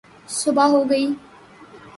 صبح ہو گئی